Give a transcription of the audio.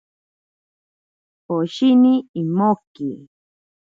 Poshini imoki.